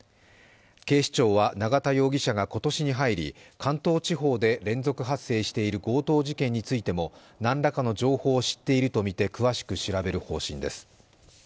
警視庁は永田容疑者が今年に入り関東地方で連続発生している強盗事件についてもなんらかの情報を知っているとみて詳しく調べる方針です。